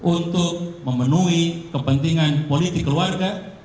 untuk memenuhi kepentingan politik keluarga